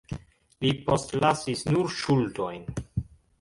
Li postlasis nur ŝuldojn.